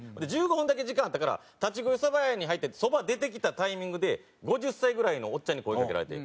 １５分だけ時間あったから立ち食いそば屋に入ってそば出てきたタイミングで５０歳ぐらいのおっちゃんに声かけられて。